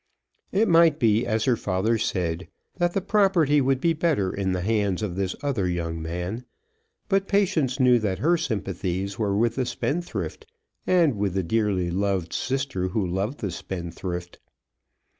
It might be, as her father said, that the property would be better in the hands of this other young man; but Patience knew that her sympathies were with the spendthrift, and with the dearly loved sister who loved the spendthrift.